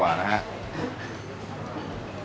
ความโดดเด็ดและไม่เหมือนใครค่ะ